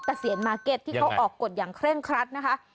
เสียนมาร์เก็ตที่เขาออกกฎอย่างเคร่งครัดนะคะ